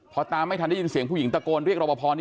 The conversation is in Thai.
พอตามไม่ทันได้ยินเสียงผู้หญิงตะโกนเรียกรอบพอนี่